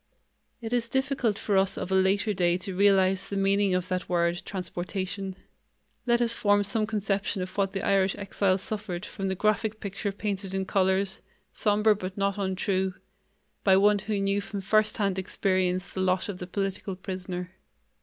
It is difficult for us of a later day to realize the meaning of that word, transportation. Let us form some conception of what the Irish exiles suffered from the graphic picture painted in colors, somber but not untrue, by one who knew from firsthand experience the lot of the political prisoner.